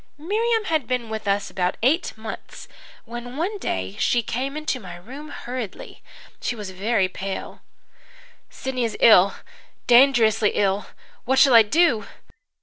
"Miriam had been with us about eight months when one day she came into my room hurriedly. She was very pale. "'Sidney is ill dangerously ill. What shall I do?'